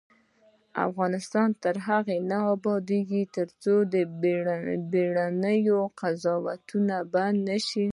افغانستان تر هغو نه ابادیږي، ترڅو بیړني قضاوتونه بند نشي.